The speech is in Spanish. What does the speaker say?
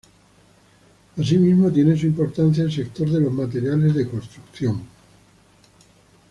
Asimismo tiene su importancia el sector de los materiales de construcción.